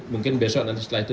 mungkin besok nanti setelah itu